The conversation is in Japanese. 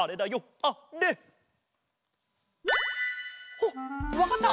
おっわかった？